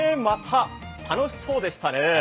また楽しそうでしたね。